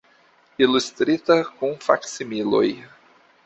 Ilustrita, kun faksimiloj.